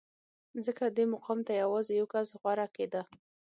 ځکه دې مقام ته یوازې یو کس غوره کېده